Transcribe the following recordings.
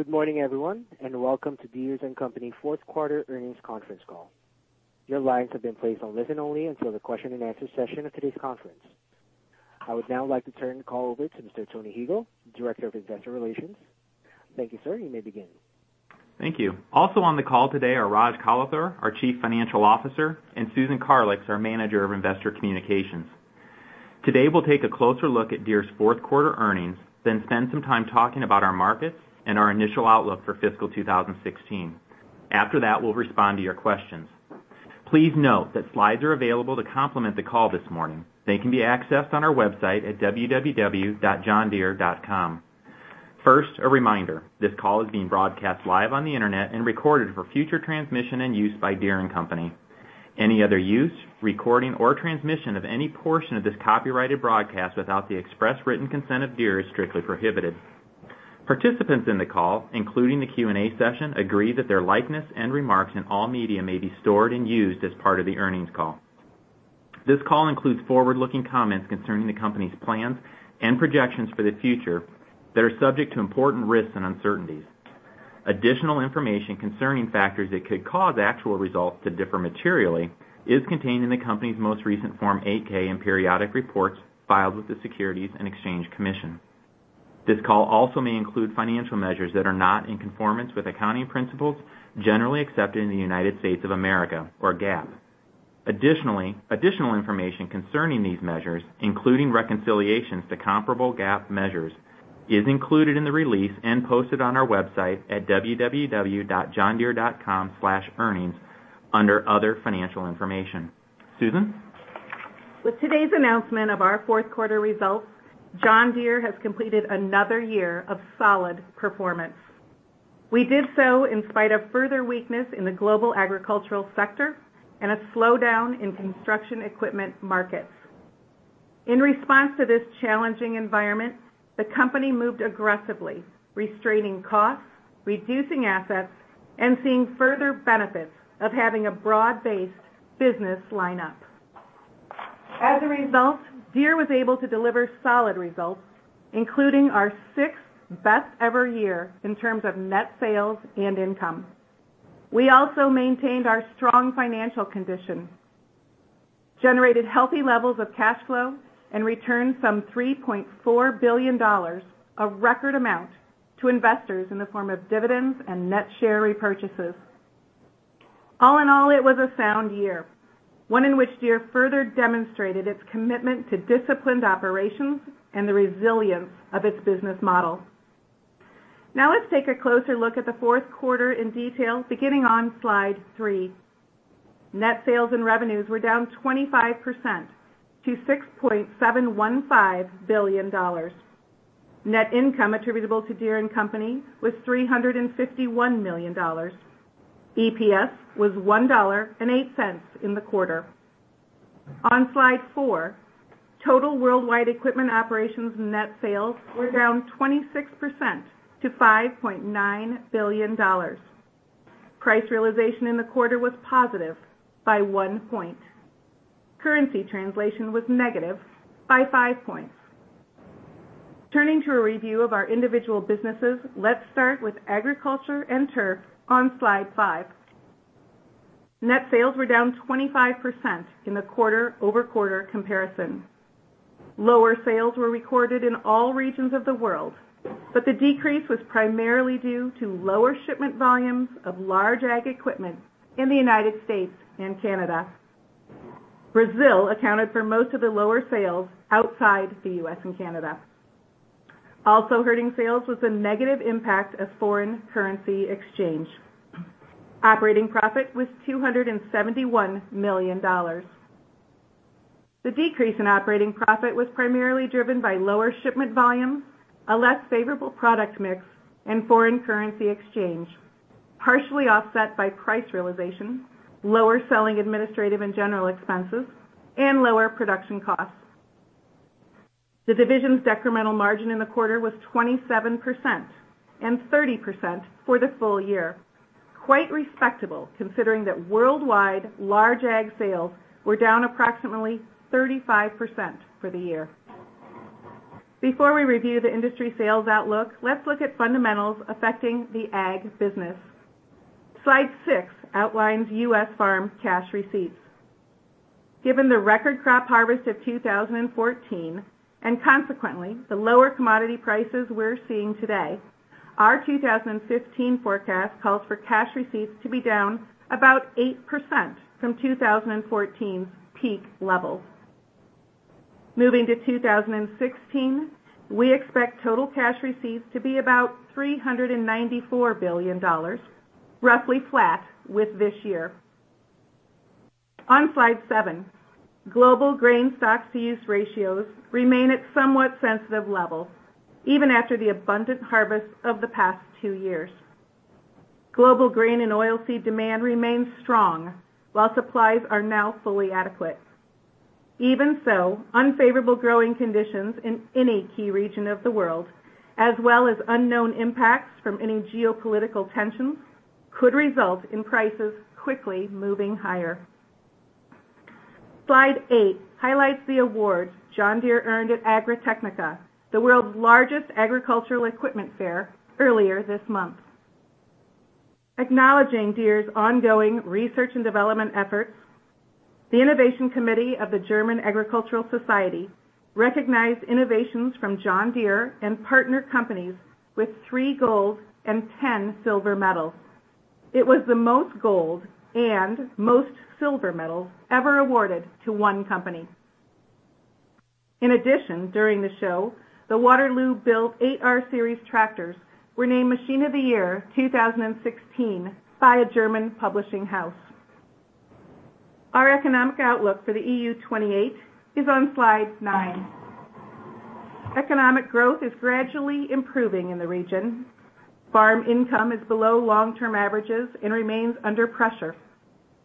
Good morning, everyone, and welcome to Deere & Company fourth quarter earnings conference call. Your lines have been placed on listen only until the question and answer session of today's conference. I would now like to turn the call over to Mr. Tony Huegel, Director of Investor Relations. Thank you, sir. You may begin. Thank you. Also on the call today are Raj Kalathur, our Chief Financial Officer, and Susan Karlix, our Manager of Investor Communications. Today, we'll take a closer look at Deere's fourth quarter earnings, spend some time talking about our markets and our initial outlook for fiscal 2016. After that, we'll respond to your questions. Please note that slides are available to complement the call this morning. They can be accessed on our website at www.johndeere.com. First, a reminder, this call is being broadcast live on the internet and recorded for future transmission and use by Deere & Company. Any other use, recording, or transmission of any portion of this copyrighted broadcast without the express written consent of Deere is strictly prohibited. Participants in the call, including the Q&A session, agree that their likeness and remarks in all media may be stored and used as part of the earnings call. This call includes forward-looking comments concerning the company's plans and projections for the future that are subject to important risks and uncertainties. Additional information concerning factors that could cause actual results to differ materially is contained in the company's most recent Form 8-K and periodic reports filed with the Securities and Exchange Commission. This call also may include financial measures that are not in conformance with accounting principles generally accepted in the United States of America or GAAP. Additional information concerning these measures, including reconciliations to comparable GAAP measures, is included in the release and posted on our website at www.johndeere.com/earnings under Other Financial Information. Susan? With today's announcement of our fourth quarter results, John Deere has completed another year of solid performance. We did so in spite of further weakness in the global agricultural sector and a slowdown in construction equipment markets. In response to this challenging environment, the company moved aggressively, restraining costs, reducing assets, and seeing further benefits of having a broad-based business line-up. As a result, Deere was able to deliver solid results, including our sixth-best-ever year in terms of net sales and income. We also maintained our strong financial condition, generated healthy levels of cash flow, and returned some $3.4 billion, a record amount, to investors in the form of dividends and net share repurchases. All in all, it was a sound year. One in which Deere further demonstrated its commitment to disciplined operations and the resilience of its business model. Now, let's take a closer look at the fourth quarter in detail, beginning on slide three. Net sales and revenues were down 25% to $6.715 billion. Net income attributable to Deere & Company was $351 million. EPS was $1.08 in the quarter. On slide four, total worldwide equipment operations net sales were down 26% to $5.9 billion. Price realization in the quarter was positive by one point. Currency translation was negative by five points. Turning to a review of our individual businesses, let's start with agriculture and turf on slide five. Net sales were down 25% in the quarter-over-quarter comparison. Lower sales were recorded in all regions of the world, but the decrease was primarily due to lower shipment volumes of large ag equipment in the U.S. and Canada. Brazil accounted for most of the lower sales outside the U.S. and Canada. Also hurting sales was the negative impact of foreign currency exchange. Operating profit was $271 million. The decrease in operating profit was primarily driven by lower shipment volumes, a less favorable product mix, and foreign currency exchange, partially offset by price realization, lower Selling Administrative and General Expenses, and lower production costs. The division's decremental margin in the quarter was 27% and 30% for the full year. Quite respectable, considering that worldwide large ag sales were down approximately 35% for the year. Before we review the industry sales outlook, let's look at fundamentals affecting the ag business. Slide six outlines U.S. farm cash receipts. Given the record crop harvest of 2014, and consequently, the lower commodity prices we're seeing today, our 2015 forecast calls for cash receipts to be down about 8% from 2014's peak levels. Moving to 2016, we expect total cash receipts to be about $394 billion, roughly flat with this year. On slide seven, global grain stock-to-use ratios remain at somewhat sensitive levels, even after the abundant harvest of the past two years. Global grain and oil seed demand remains strong, while supplies are now fully adequate. Even so, unfavorable growing conditions in any key region of the world, as well as unknown impacts from any geopolitical tensions, could result in prices quickly moving higher. Slide eight highlights the awards John Deere earned at Agritechnica, the world's largest agricultural equipment fair, earlier this month. Acknowledging Deere's ongoing research and development efforts, the Innovation Committee of the German Agricultural Society recognized innovations from John Deere and partner companies with three gold and 10 silver medals. It was the most gold and most silver medals ever awarded to one company. In addition, during the show, the Waterloo-built 8R Series tractors were named Machine of the Year 2016 by a German publishing house. Our economic outlook for the EU 28 is on slide nine. Economic growth is gradually improving in the region. Farm income is below long-term averages and remains under pressure.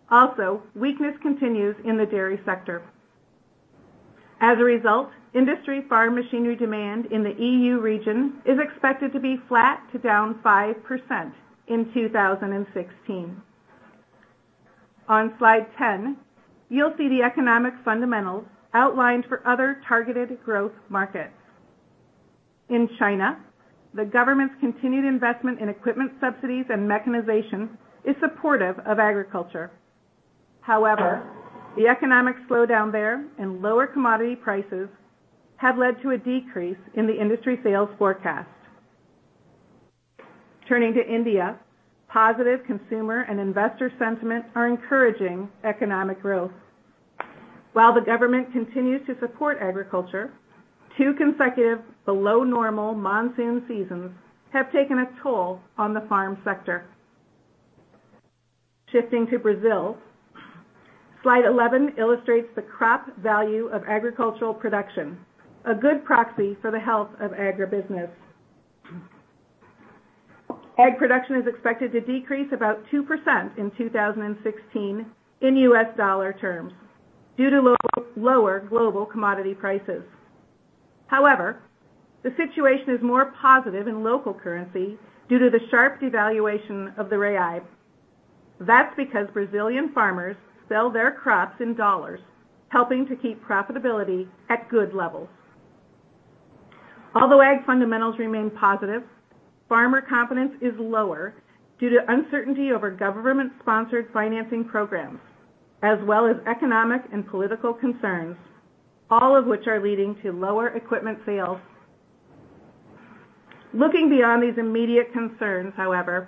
Also, weakness continues in the dairy sector. As a result, industry farm machinery demand in the EU region is expected to be flat to down 5% in 2016. On slide 10, you'll see the economic fundamentals outlined for other targeted growth markets. In China, the government's continued investment in equipment subsidies and mechanization is supportive of agriculture. However, the economic slowdown there and lower commodity prices have led to a decrease in the industry sales forecast. Turning to India, positive consumer and investor sentiment are encouraging economic growth. While the government continues to support agriculture, two consecutive below-normal monsoon seasons have taken a toll on the farm sector. Shifting to Brazil, slide 11 illustrates the crop value of agricultural production, a good proxy for the health of agribusiness. Ag production is expected to decrease about 2% in 2016 in U.S. dollar terms due to lower global commodity prices. However, the situation is more positive in local currency due to the sharp devaluation of the BRL. That's because Brazilian farmers sell their crops in U.S. dollars, helping to keep profitability at good levels. Although Ag fundamentals remain positive, farmer confidence is lower due to uncertainty over government-sponsored financing programs, as well as economic and political concerns, all of which are leading to lower equipment sales. Looking beyond these immediate concerns, however,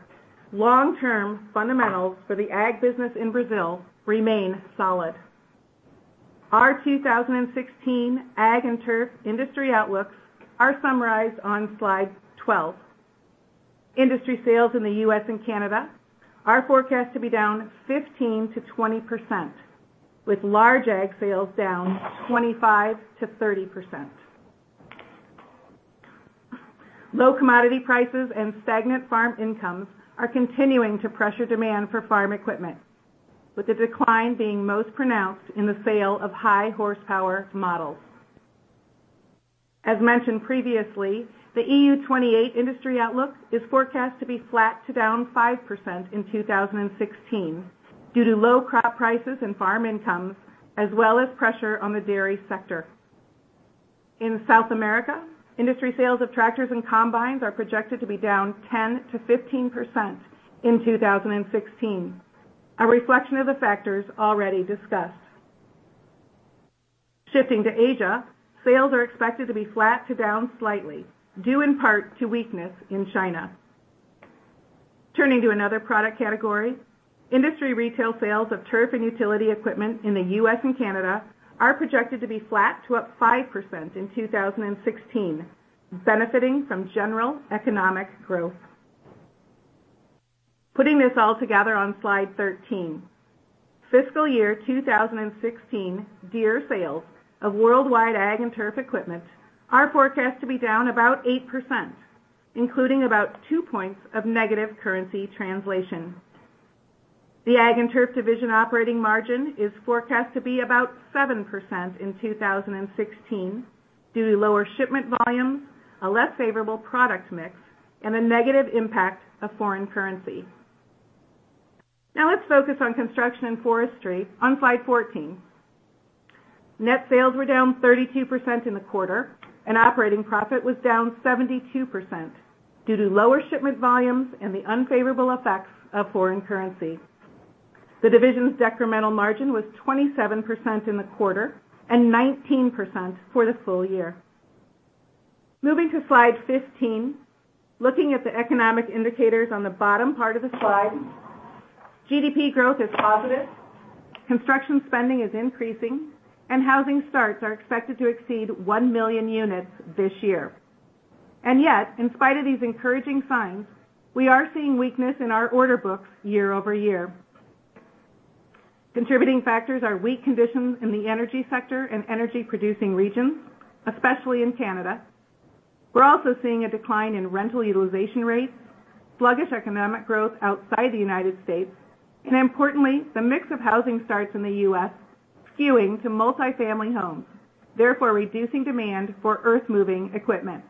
long-term fundamentals for the Ag business in Brazil remain solid. Our 2016 Ag and Turf industry outlooks are summarized on slide 12. Industry sales in the U.S. and Canada are forecast to be down 15%-20%, with large Ag sales down 25%-30%. Low commodity prices and stagnant farm incomes are continuing to pressure demand for farm equipment, with the decline being most pronounced in the sale of high horsepower models. As mentioned previously, the EU 28 industry outlook is forecast to be flat to down 5% in 2016 due to low crop prices and farm incomes, as well as pressure on the dairy sector. In South America, industry sales of tractors and combines are projected to be down 10%-15% in 2016, a reflection of the factors already discussed. Shifting to Asia, sales are expected to be flat to down slightly, due in part to weakness in China. Turning to another product category, industry retail sales of turf and utility equipment in the U.S. and Canada are projected to be flat to up 5% in 2016, benefiting from general economic growth. Putting this all together on slide 13, fiscal year 2016 Deere sales of worldwide Ag and Turf equipment are forecast to be down about 8%, including about two points of negative currency translation. The Ag and Turf division operating margin is forecast to be about 7% in 2016 due to lower shipment volumes, a less favorable product mix, and the negative impact of foreign currency. Now let's focus on Construction and Forestry on slide 14. Net sales were down 32% in the quarter, and operating profit was down 72% due to lower shipment volumes and the unfavorable effects of foreign currency. The division's decremental margin was 27% in the quarter and 19% for the full year. Moving to slide 15, looking at the economic indicators on the bottom part of the slide, GDP growth is positive, construction spending is increasing, and housing starts are expected to exceed 1 million units this year. Yet, in spite of these encouraging signs, we are seeing weakness in our order books year-over-year. Contributing factors are weak conditions in the energy sector and energy-producing regions, especially in Canada. We're also seeing a decline in rental utilization rates, sluggish economic growth outside the United States, and importantly, the mix of housing starts in the U.S. skewing to multifamily homes, therefore reducing demand for earthmoving equipment.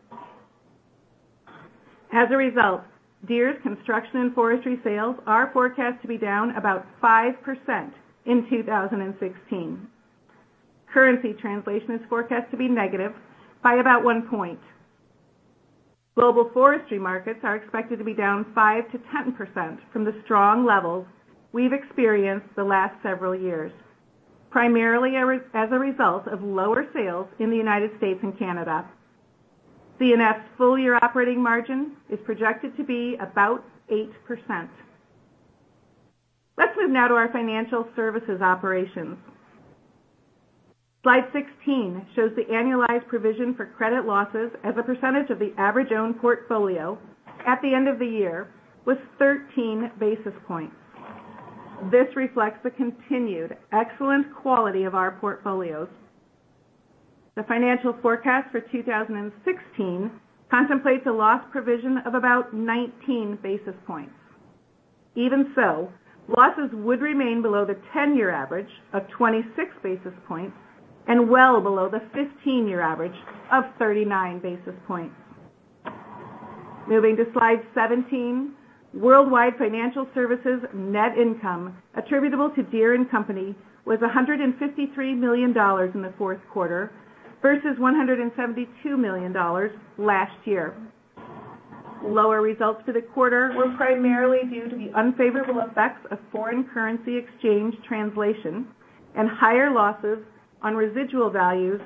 As a result, Deere's Construction and Forestry sales are forecast to be down about 5% in 2016. Currency translation is forecast to be negative by about one point. Global forestry markets are expected to be down 5%-10% from the strong levels we've experienced the last several years, primarily as a result of lower sales in the U.S. and Canada. C&F full-year operating margin is projected to be about 8%. Let's move now to our financial services operations. Slide 16 shows the annualized provision for credit losses as a percentage of the average owned portfolio at the end of the year was 13 basis points. This reflects the continued excellent quality of our portfolios. The financial forecast for 2016 contemplates a loss provision of about 19 basis points. Even so, losses would remain below the 10-year average of 26 basis points and well below the 15-year average of 39 basis points. Moving to Slide 17. Worldwide financial services net income attributable to Deere & Company was $153 million in the fourth quarter versus $172 million last year. Lower results for the quarter were primarily due to the unfavorable effects of foreign currency exchange translation and higher losses on residual values,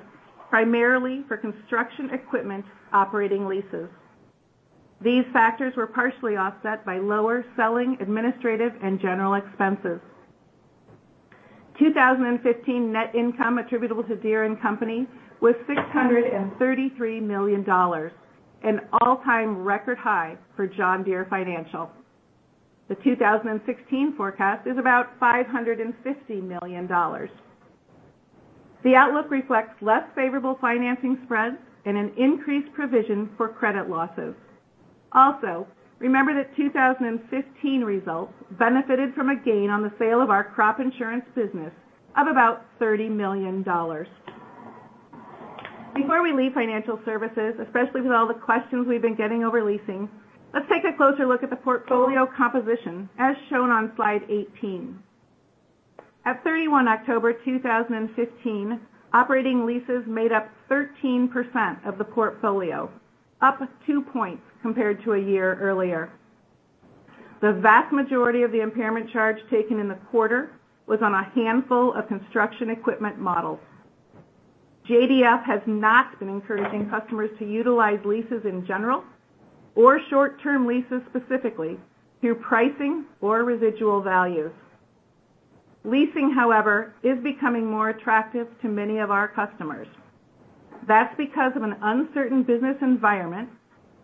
primarily for construction equipment operating leases. These factors were partially offset by lower selling, administrative, and general expenses. 2015 net income attributable to Deere & Company was $633 million, an all-time record high for John Deere Financial. The 2016 forecast is about $550 million. The outlook reflects less favorable financing spreads and an increased provision for credit losses. Remember that 2015 results benefited from a gain on the sale of our crop insurance business of about $30 million. Before we leave financial services, especially with all the questions we've been getting over leasing, let's take a closer look at the portfolio composition, as shown on Slide 18. At 31 October 2015, operating leases made up 13% of the portfolio, up two points compared to a year earlier. The vast majority of the impairment charge taken in the quarter was on a handful of construction equipment models. JDF has not been encouraging customers to utilize leases in general or short-term leases specifically through pricing or residual values. Leasing, however, is becoming more attractive to many of our customers. That's because of an uncertain business environment,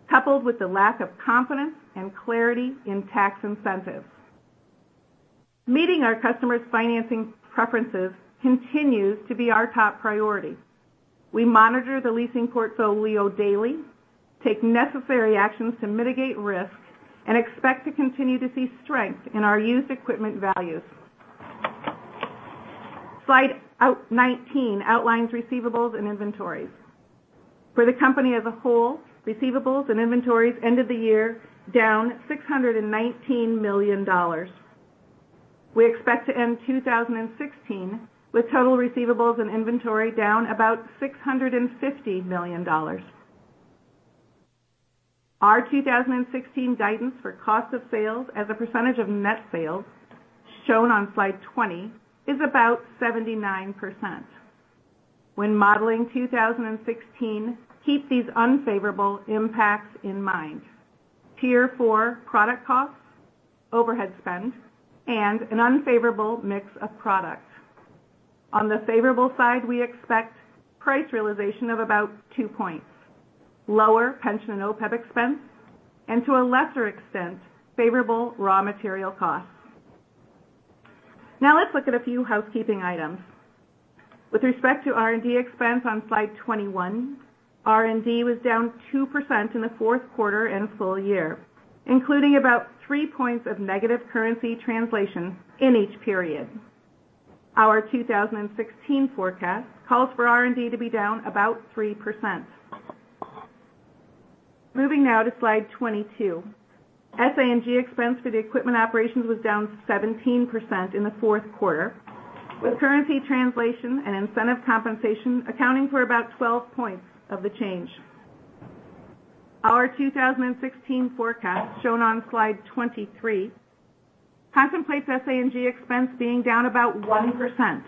coupled with the lack of confidence and clarity in tax incentives. Meeting our customers' financing preferences continues to be our top priority. We monitor the leasing portfolio daily, take necessary actions to mitigate risks, and expect to continue to see strength in our used equipment values. Slide 19 outlines receivables and inventories. For the company as a whole, receivables and inventories end of the year down $619 million. We expect to end 2016 with total receivables and inventory down about $650 million. Our 2016 guidance for cost of sales as a percentage of net sales, shown on Slide 20, is about 79%. When modeling 2016, keep these unfavorable impacts in mind. Tier 4 product costs, overhead spend, and an unfavorable mix of products. On the favorable side, we expect price realization of about two points, lower pension and OPEB expense, and to a lesser extent, favorable raw material costs. Let's look at a few housekeeping items. With respect to R&D expense on Slide 21, R&D was down 2% in the fourth quarter and full year, including about 3 points of negative currency translation in each period. Our 2016 forecast calls for R&D to be down about 3%. Moving now to Slide 22. SA&G expense for the equipment operations was down 17% in the fourth quarter, with currency translation and incentive compensation accounting for about 12 points of the change. Our 2016 forecast, shown on Slide 23, contemplates SA&G expense being down about 1%,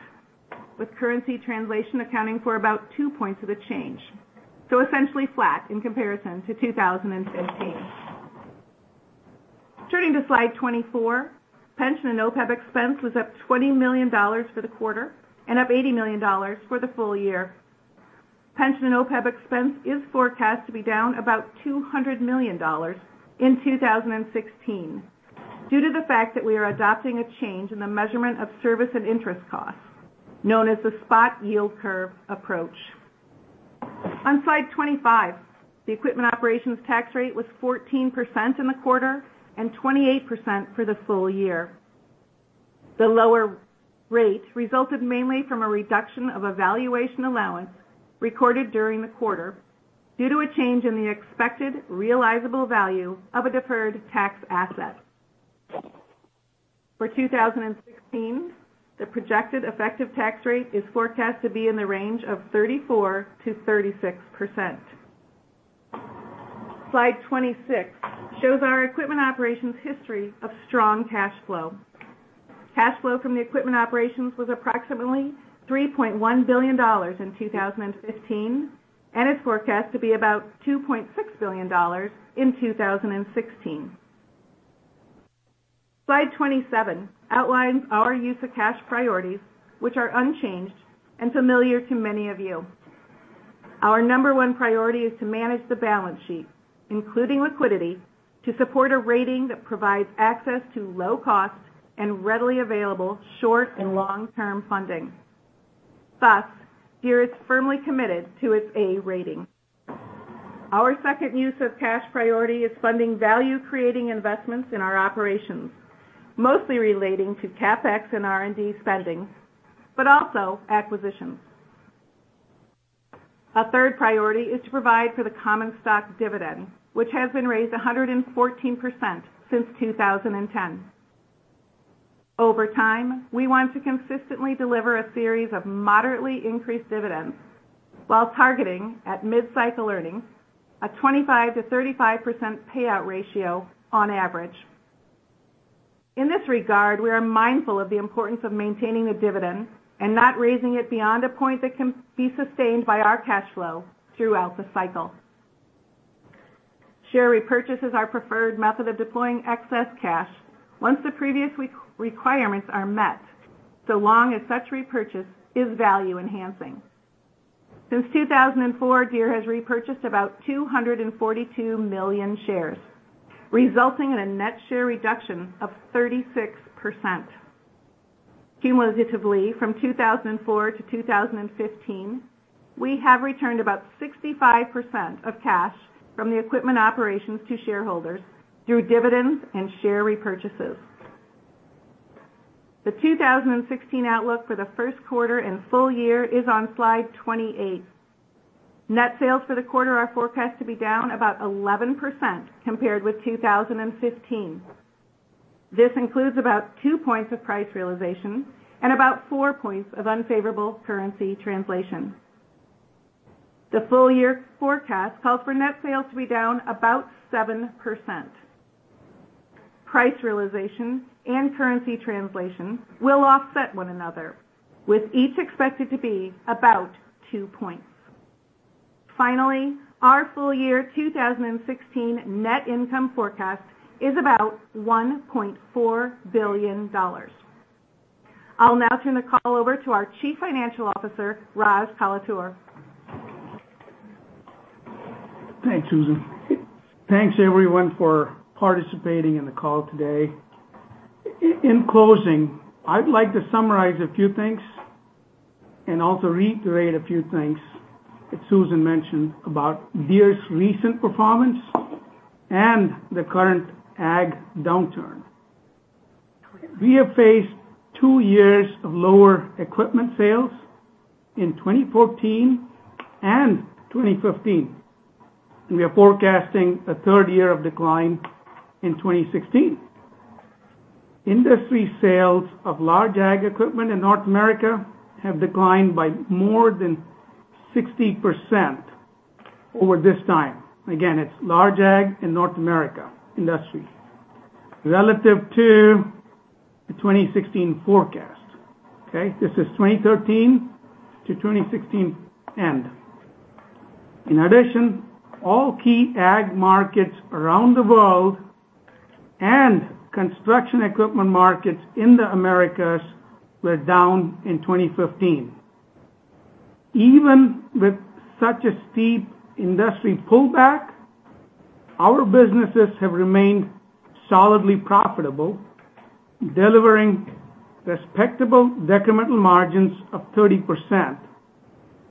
with currency translation accounting for about 2 points of the change, so essentially flat in comparison to 2015. Turning to Slide 24, pension and OPEB expense was up $20 million for the quarter and up $80 million for the full year. Pension and OPEB expense is forecast to be down about $200 million in 2016 due to the fact that we are adopting a change in the measurement of service and interest costs, known as the spot yield curve approach. On Slide 25, the equipment operations tax rate was 14% in the quarter and 28% for the full year. The lower rate resulted mainly from a reduction of a valuation allowance recorded during the quarter due to a change in the expected realizable value of a deferred tax asset. For 2016, the projected effective tax rate is forecast to be in the range of 34%-36%. Slide 26 shows our equipment operations history of strong cash flow. Cash flow from the equipment operations was approximately $3.1 billion in 2015, and it's forecast to be about $2.6 billion in 2016. Slide 27 outlines our use of cash priorities, which are unchanged and familiar to many of you. Our number 1 priority is to manage the balance sheet, including liquidity, to support a rating that provides access to low cost and readily available short and long-term funding. Thus, Deere is firmly committed to its A rating. Our second use of cash priority is funding value-creating investments in our operations, mostly relating to CapEx and R&D spending, but also acquisitions. A third priority is to provide for the common stock dividend, which has been raised 114% since 2010. Over time, we want to consistently deliver a series of moderately increased dividends while targeting, at mid-cycle earnings, a 25%-35% payout ratio on average. In this regard, we are mindful of the importance of maintaining the dividend and not raising it beyond a point that can be sustained by our cash flow throughout the cycle. Share repurchase is our preferred method of deploying excess cash once the previous requirements are met, so long as such repurchase is value-enhancing. Since 2004, Deere has repurchased about 242 million shares, resulting in a net share reduction of 36%. Cumulatively, from 2004 to 2015, we have returned about 65% of cash from the equipment operations to shareholders through dividends and share repurchases. The 2016 outlook for the first quarter and full year is on Slide 28. Net sales for the quarter are forecast to be down about 11% compared with 2015. This includes about 2 points of price realization and about 4 points of unfavorable currency translation. The full-year forecast calls for net sales to be down about 7%. Price realization and currency translation will offset one another, with each expected to be about two points. Finally, our full year 2016 net income forecast is about $1.4 billion. I'll now turn the call over to our Chief Financial Officer, Raj Kalathur. Thanks, Susan. Thanks everyone for participating in the call today. In closing, I'd like to summarize a few things and also reiterate a few things that Susan mentioned about Deere's recent performance and the current ag downturn. We have faced two years of lower equipment sales in 2014 and 2015, and we are forecasting a third year of decline in 2016. Industry sales of large ag equipment in North America have declined by more than 60% over this time. Again, it's large ag in North America industry relative to the 2016 forecast. Okay? This is 2013 to 2016 end. In addition, all key ag markets around the world and construction equipment markets in the Americas were down in 2015. Even with such a steep industry pullback, our businesses have remained solidly profitable, delivering respectable incremental margins of 30%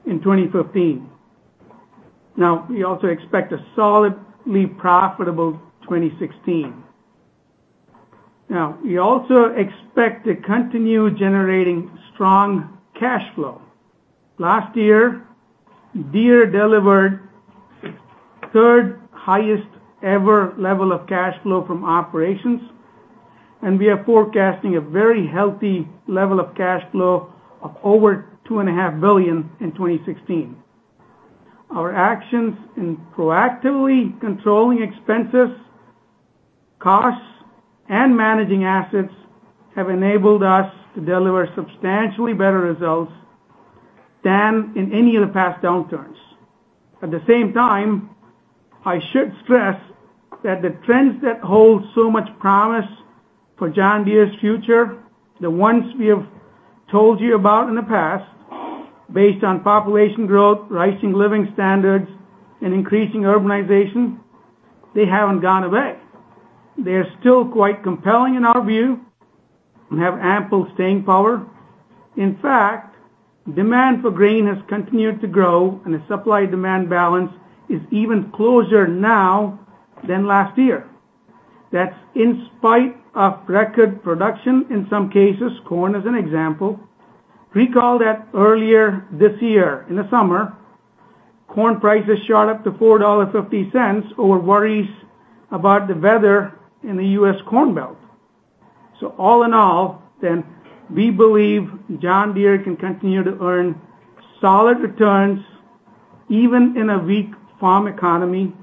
in 2015. We also expect a solidly profitable 2016. We also expect to continue generating strong cash flow. Last year, Deere delivered third highest ever level of cash flow from operations, and we are forecasting a very healthy level of cash flow of over $2.5 billion in 2016. Our actions in proactively controlling expenses, costs, and managing assets have enabled us to deliver substantially better results than in any of the past downturns. At the same time, I should stress that the trends that hold so much promise for John Deere's future, the ones we have told you about in the past, based on population growth, rising living standards, and increasing urbanization, they haven't gone away. They are still quite compelling in our view and have ample staying power. In fact, demand for grain has continued to grow, and the supply-demand balance is even closer now than last year. That's in spite of record production in some cases, corn as an example. Recall that earlier this year in the summer, corn prices shot up to $4.50 over worries about the weather in the U.S. Corn Belt. All in all, we believe John Deere can continue to earn solid returns even in a weak farm economy,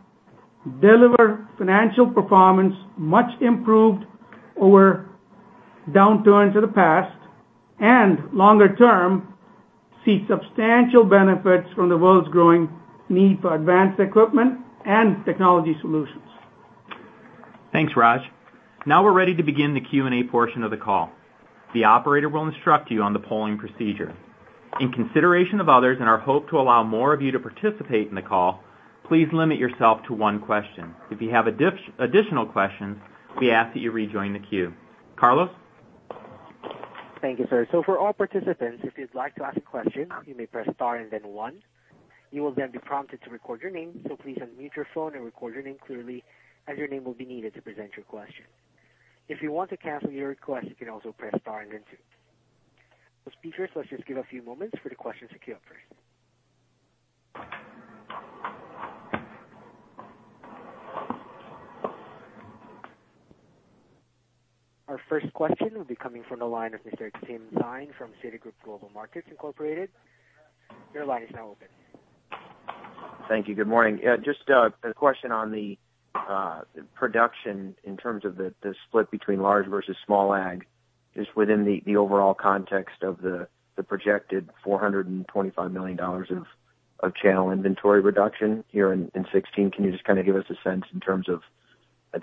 deliver financial performance much improved over downturns of the past, and longer term, see substantial benefits from the world's growing need for advanced equipment and technology solutions. Thanks, Raj. Now we're ready to begin the Q&A portion of the call. The operator will instruct you on the polling procedure. In consideration of others and our hope to allow more of you to participate in the call, please limit yourself to one question. If you have additional questions, we ask that you rejoin the queue. Carlos? Thank you, sir. For all participants, if you'd like to ask a question, you may press star and then one. You will then be prompted to record your name, so please unmute your phone and record your name clearly as your name will be needed to present your question. If you want to cancel your request, you can also press star and then two. Speakers, let's just give a few moments for the questions to queue up first. Our first question will be coming from the line of Mr. Khadim Sy from Citigroup Global Markets Incorporated. Your line is now open. Thank you. Good morning. Just a question on the production in terms of the split between large versus small ag, just within the overall context of the projected $425 million of channel inventory reduction here in 2016. Can you just give us a sense in terms of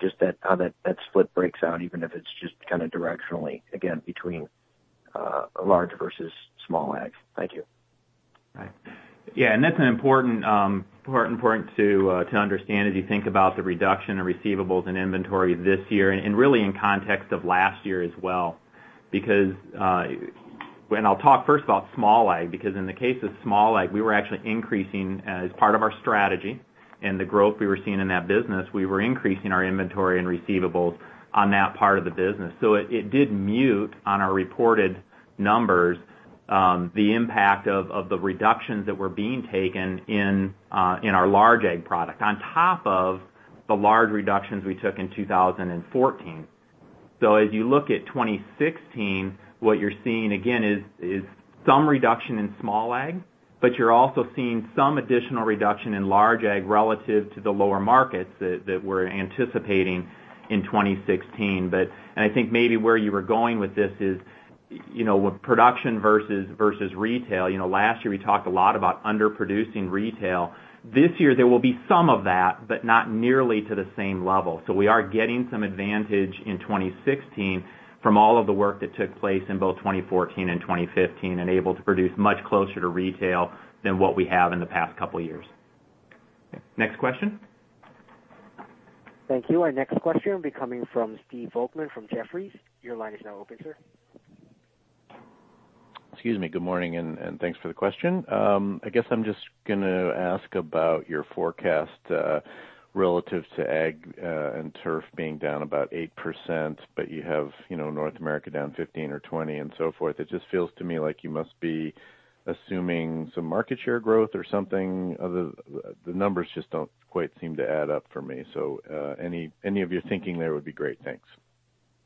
just how that split breaks out, even if it's just directionally, again, between large versus small ag? Thank you. Yeah. That's important to understand as you think about the reduction in receivables and inventory this year, and really in context of last year as well. I'll talk first about small ag, because in the case of small ag, as part of our strategy and the growth we were seeing in that business, we were increasing our inventory and receivables on that part of the business. It did mute on our reported numbers, the impact of the reductions that were being taken in our large ag product on top of the large reductions we took in 2014. As you look at 2016, what you're seeing again is some reduction in small ag, but you're also seeing some additional reduction in large ag relative to the lower markets that we're anticipating in 2016. I think maybe where you were going with this is, with production versus retail, last year we talked a lot about underproducing retail. This year there will be some of that, but not nearly to the same level. We are getting some advantage in 2016 from all of the work that took place in both 2014 and 2015 and able to produce much closer to retail than what we have in the past couple of years. Next question. Thank you. Our next question will be coming from Stephen Volkmann from Jefferies. Your line is now open, sir. Excuse me. Good morning, and thanks for the question. I guess I'm just going to ask about your forecast, relative to ag and turf being down about 8%, but you have North America down 15 or 20 and so forth. It just feels to me like you must be assuming some market share growth or something. The numbers just don't quite seem to add up for me. Any of your thinking there would be great. Thanks.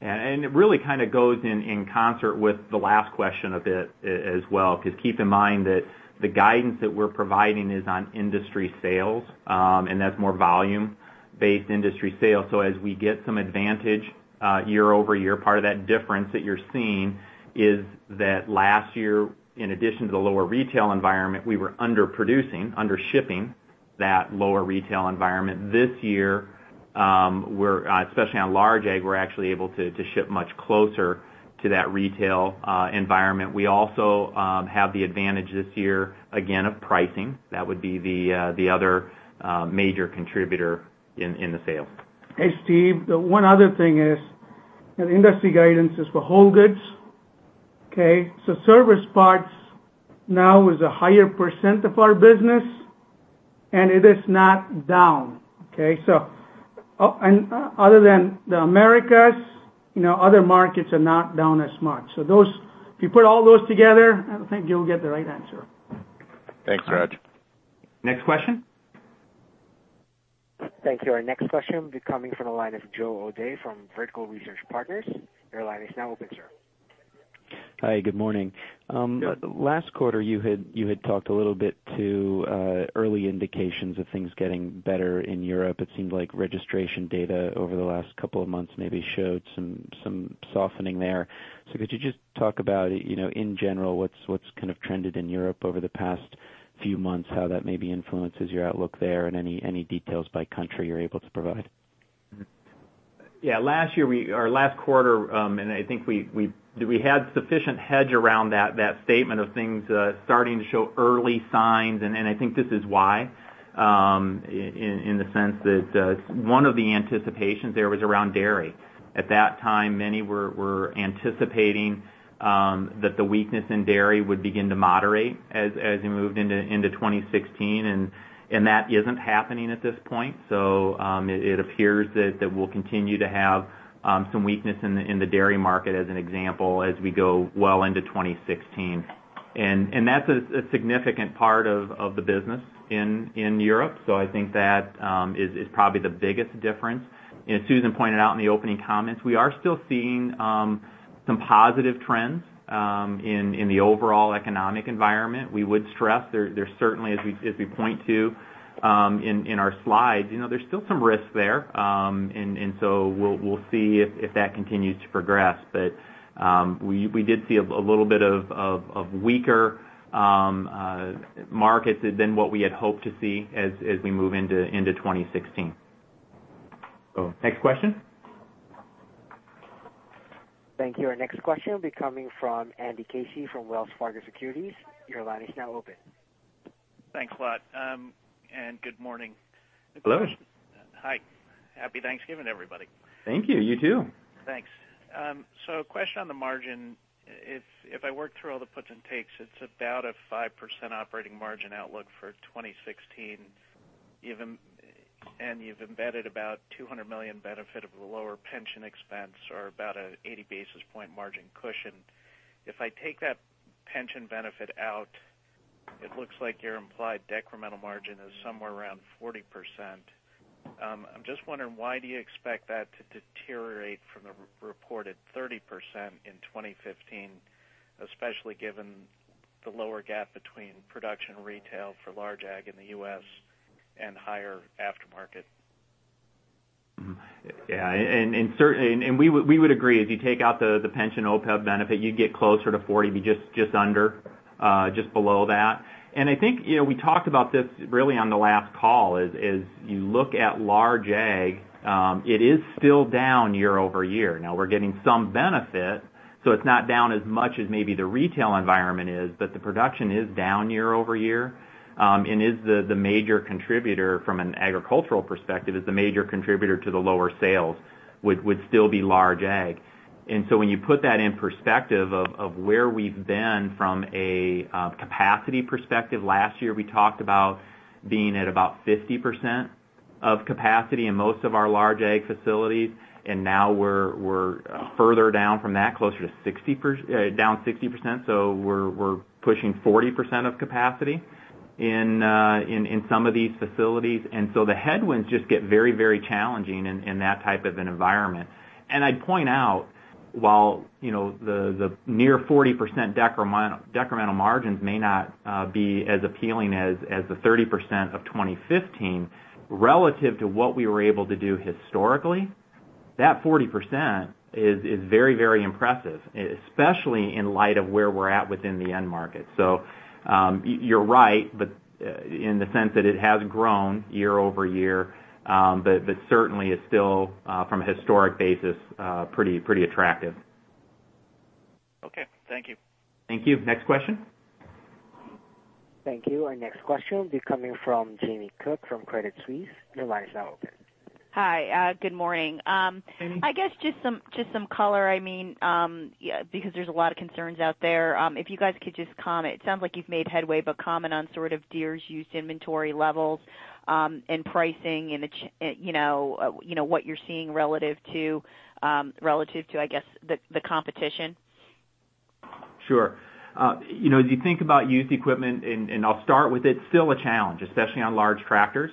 It really goes in concert with the last question a bit as well, because keep in mind that the guidance that we're providing is on industry sales, and that's more volume-based industry sales. As we get some advantage year-over-year, part of that difference that you're seeing is that last year, in addition to the lower retail environment, we were under-producing, under-shipping that lower retail environment. This year, especially on large ag, we're actually able to ship much closer to that retail environment. We also have the advantage this year, again, of pricing. That would be the other major contributor in the sale. Hey, Steve. The one other thing is that industry guidance is for whole goods. Okay? Service parts now is a higher % of our business, and it is not down. Okay? Other than the Americas, other markets are not down as much. If you put all those together, I think you'll get the right answer. Thanks, Raj. Next question. Thank you. Our next question will be coming from the line of Joe O'Dea from Vertical Research Partners. Your line is now open, sir. Hi, good morning. Good. Last quarter you had talked a little bit to early indications of things getting better in Europe. It seemed like registration data over the last couple of months maybe showed some softening there. Could you just talk about, in general, what's trended in Europe over the past few months, how that maybe influences your outlook there and any details by country you're able to provide? Yeah. Last quarter, I think we had sufficient hedge around that statement of things starting to show early signs, I think this is why, in the sense that one of the anticipations there was around dairy. At that time, many were anticipating that the weakness in dairy would begin to moderate as you moved into 2016, and that isn't happening at this point. It appears that we'll continue to have some weakness in the dairy market, as an example, as we go well into 2016. That's a significant part of the business in Europe. I think that is probably the biggest difference. As Susan pointed out in the opening comments, we are still seeing some positive trends in the overall economic environment. We would stress, there's certainly, as we point to in our slides, there's still some risk there. We'll see if that continues to progress. We did see a little bit of weaker markets than what we had hoped to see as we move into 2016. Next question. Thank you. Our next question will be coming from Andrew Casey from Wells Fargo Securities. Your line is now open. Thanks a lot, and good morning. Hello. Hi. Happy Thanksgiving, everybody. Thank you. You too. Thanks. Question on the margin. If I work through all the puts and takes, it's about a 5% operating margin outlook for 2016. You've embedded about $200 million benefit of the lower pension expense or about an 80 basis point margin cushion. If I take that pension benefit out, it looks like your implied decremental margin is somewhere around 40%. I'm just wondering, why do you expect that to deteriorate from the reported 30% in 2015, especially given the lower gap between production retail for large ag in the U.S. and higher aftermarket? Yeah. We would agree, if you take out the pension OPEB benefit, you'd get closer to 40%, be just under, just below that. I think we talked about this really on the last call is, as you look at large ag, it is still down year-over-year. Now we're getting some benefit, so it's not down as much as maybe the retail environment is, but the production is down year-over-year. The major contributor from an agricultural perspective, is the major contributor to the lower sales would still be large ag. When you put that in perspective of where we've been from a capacity perspective, last year, we talked about being at about 50% of capacity in most of our large ag facilities, and now we're further down from that, closer to down 60%. We're pushing 40% of capacity in some of these facilities. The headwinds just get very challenging in that type of an environment. I'd point out, while the near 40% decremental margins may not be as appealing as the 30% of 2015, relative to what we were able to do historically, that 40% is very impressive, especially in light of where we're at within the end market. You're right, in the sense that it has grown year-over-year. Certainly is still, from a historic basis pretty attractive. Okay. Thank you. Thank you. Next question. Thank you. Our next question will be coming from Jamie Cook from Credit Suisse. Your line is now open. Hi. Good morning. Jamie. I guess just some color, because there's a lot of concerns out there. If you guys could just comment, it sounds like you've made headway, but comment on sort of Deere's used inventory levels and pricing and what you're seeing relative to, I guess, the competition. Sure. As you think about used equipment, and I'll start with, it's still a challenge, especially on large tractors.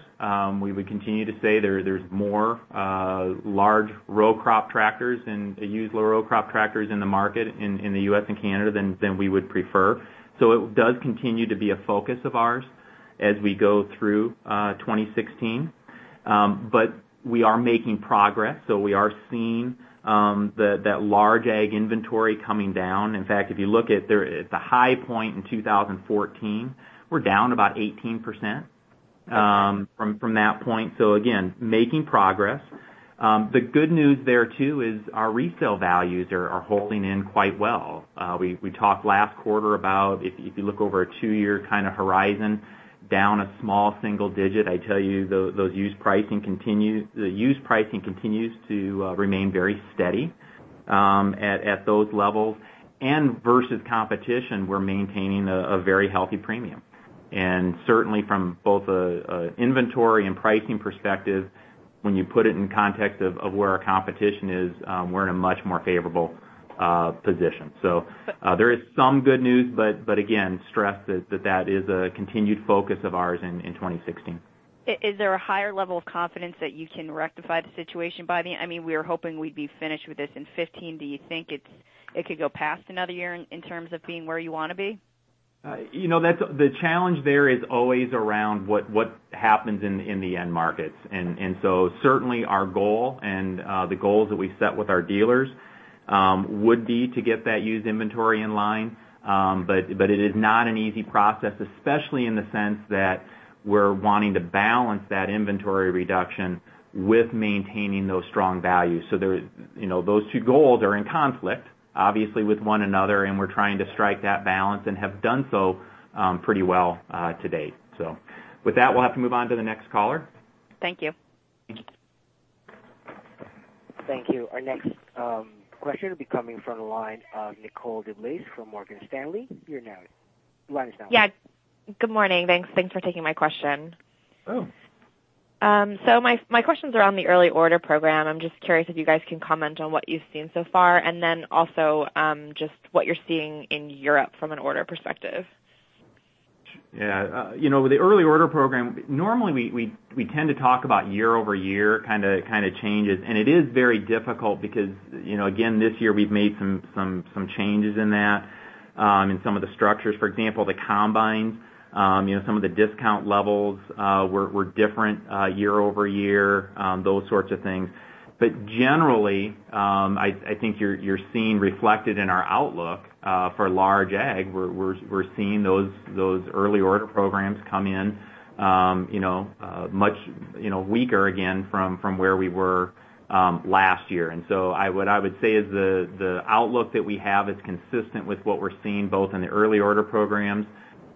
We would continue to say there's more large row crop tractors and used low row crop tractors in the market in the U.S. and Canada than we would prefer. It does continue to be a focus of ours as we go through 2016. We are making progress, so we are seeing that large ag inventory coming down. In fact, if you look at the high point in 2014, we're down about 18% from that point. Again, making progress. The good news there too is our resale values are holding in quite well. We talked last quarter about if you look over a two-year kind of horizon down a small single digit, I tell you, the used pricing continues to remain very steady at those levels. Versus competition, we're maintaining a very healthy premium. Certainly from both an inventory and pricing perspective, when you put it in context of where our competition is, we're in a much more favorable position. There is some good news, but again, stress that that is a continued focus of ours in 2016. Is there a higher level of confidence that you can rectify the situation by the end? We were hoping we'd be finished with this in 2015. Do you think it could go past another year in terms of being where you want to be? The challenge there is always around what happens in the end markets. Certainly our goal and the goals that we set with our dealers Would be to get that used inventory in line. It is not an easy process, especially in the sense that we're wanting to balance that inventory reduction with maintaining those strong values. Those two goals are in conflict, obviously, with one another, and we're trying to strike that balance and have done so pretty well to date. With that, we'll have to move on to the next caller. Thank you. Thank you. Thank you. Our next question will be coming from the line of Nicole DeBlase from Morgan Stanley. Your line is now open. Yeah. Good morning. Thanks for taking my question. Oh. My questions are on the early order program. I'm just curious if you guys can comment on what you've seen so far, and then also just what you're seeing in Europe from an order perspective. Yeah. With the early order program, normally we tend to talk about year-over-year kind of changes. It is very difficult because, again, this year we've made some changes in that, in some of the structures, for example, the combines. Some of the discount levels were different year-over-year, those sorts of things. Generally, I think you're seeing reflected in our outlook for large ag, we're seeing those early order programs come in much weaker again from where we were last year. What I would say is the outlook that we have is consistent with what we're seeing both in the early order programs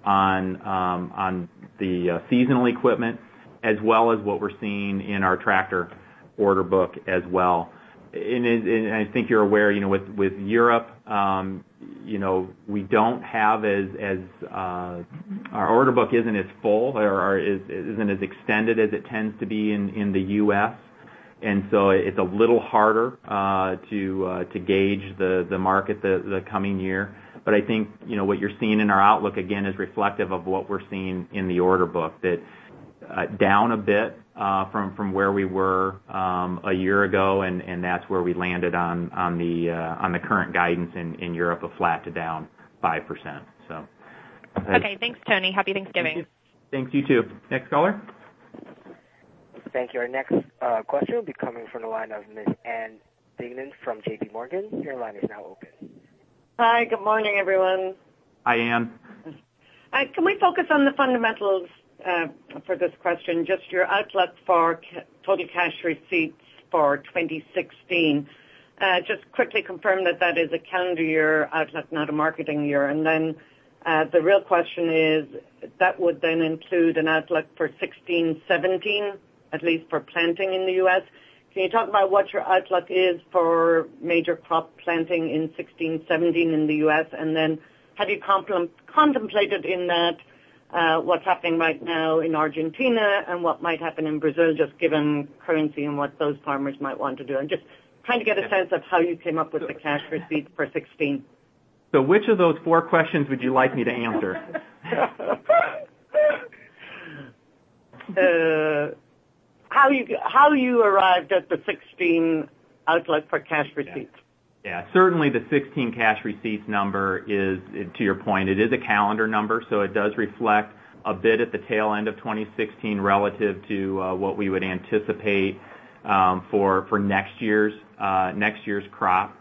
on the seasonal equipment, as well as what we're seeing in our tractor order book as well. I think you're aware with Europe, our order book isn't as full or isn't as extended as it tends to be in the U.S., it's a little harder to gauge the market the coming year. I think what you're seeing in our outlook, again, is reflective of what we're seeing in the order book, that down a bit from where we were a year ago, and that's where we landed on the current guidance in Europe of flat to down 5%. Okay. Thanks, Tony. Happy Thanksgiving. Thanks. You too. Next caller? Thank you. Our next question will be coming from the line of Ms. Ann Duignan from JPMorgan. Your line is now open. Hi, good morning, everyone. Hi, Ann. Hi, can we focus on the fundamentals for this question, just your outlook for total cash receipts for 2016? Just quickly confirm that that is a calendar year outlook, not a marketing year. The real question is, that would then include an outlook for 2016-2017, at least for planting in the U.S. Can you talk about what your outlook is for major crop planting in 2016-2017 in the U.S.? Have you contemplated in that what's happening right now in Argentina and what might happen in Brazil, just given currency and what those farmers might want to do? Just trying to get a sense of how you came up with the cash receipts for 2016. Which of those four questions would you like me to answer? How you arrived at the 2016 outlook for cash receipts. Yeah. Certainly, the 2016 cash receipts number is, to your point, it is a calendar number, so it does reflect a bit at the tail end of 2016 relative to what we would anticipate for next year's crop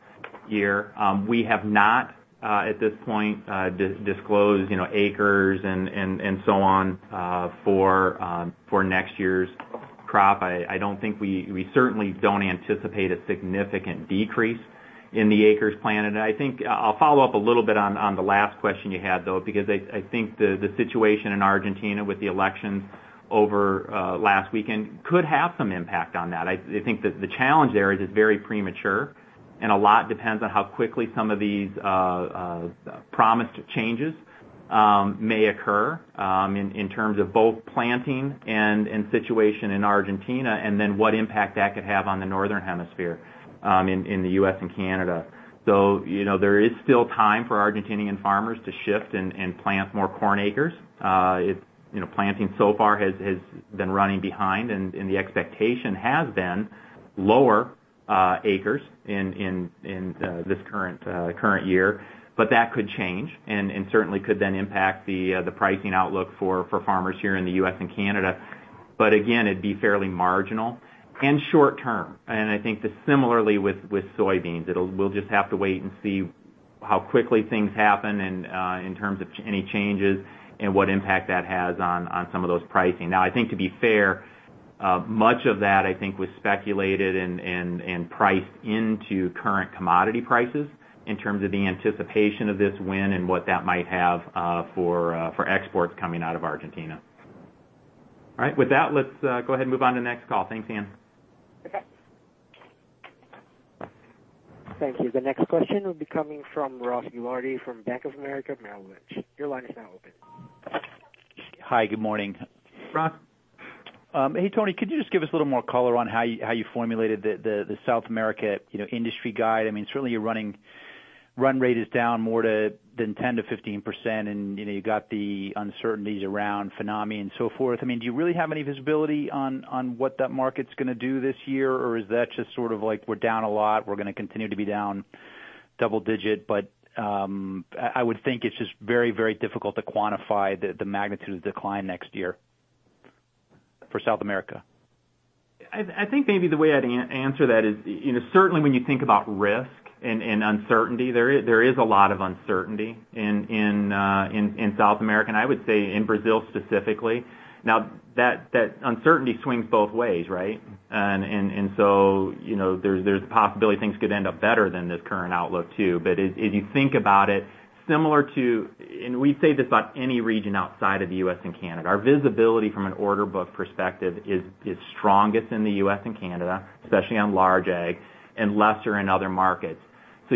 year. We have not, at this point, disclosed acres and so on for next year's crop. We certainly don't anticipate a significant decrease in the acres planted. I'll follow up a little bit on the last question you had, though, because I think the situation in Argentina with the elections over last weekend could have some impact on that. I think that the challenge there is it's very premature and a lot depends on how quickly some of these promised changes may occur in terms of both planting and situation in Argentina, and then what impact that could have on the northern hemisphere in the U.S. and Canada. There is still time for Argentinian farmers to shift and plant more corn acres. Planting so far has been running behind, and the expectation has been lower acres in this current year. That could change and certainly could then impact the pricing outlook for farmers here in the U.S. and Canada. Again, it'd be fairly marginal and short-term. I think that similarly with soybeans. We'll just have to wait and see how quickly things happen and in terms of any changes and what impact that has on some of those pricing. I think to be fair, much of that, I think was speculated and priced into current commodity prices in terms of the anticipation of this win and what that might have for exports coming out of Argentina. All right. With that, let's go ahead and move on to the next call. Thanks, Ann. Okay. Thank you. The next question will be coming from Ross Gilardi from Bank of America Merrill Lynch. Your line is now open. Hi, good morning. Ross. Hey, Tony. Could you just give us a little more color on how you formulated the South America industry guide? Certainly your run rate is down more than 10%-15%, and you got the uncertainties around FINAME and so forth. Do you really have any visibility on what that market's going to do this year? Or is that just sort of like we're down a lot, we're going to continue to be down double digit? I would think it's just very difficult to quantify the magnitude of decline next year. For South America. I think maybe the way I'd answer that is, certainly when you think about risk and uncertainty, there is a lot of uncertainty in South America, and I would say in Brazil specifically. That uncertainty swings both ways, right? There's a possibility things could end up better than this current outlook too. As you think about it, similar to, and we say this about any region outside of the U.S. and Canada, our visibility from an order book perspective is strongest in the U.S. and Canada, especially on large ag, and lesser in other markets.